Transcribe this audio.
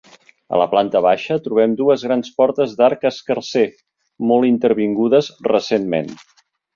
A la planta baixa trobem dues grans portes d'arc escarser, molt intervingudes recentment.